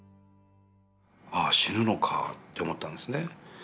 「ああ死ぬのか」と思ったんですね。